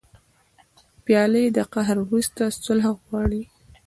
پیاله د قهر وروسته صلح غواړي.